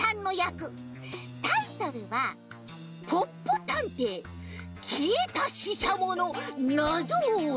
タイトルは「ポッポたんていきえたししゃものなぞをおえ！」。